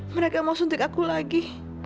mereka mau suntik aku lagi